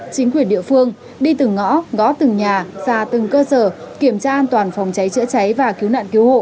chính quyền địa phương đi từng ngõ gõ từng nhà ra từng cơ sở kiểm tra an toàn phòng cháy chữa cháy và cứu nạn cứu hộ